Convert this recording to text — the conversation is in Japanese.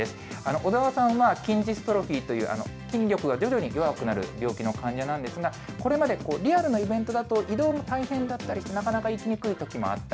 小澤さんは筋ジストロフィーという、筋力が徐々に弱くなるという病気の患者なんですが、これまでリアルなイベントだと、移動も大変だったりして、なかなか行きにくいときもあった。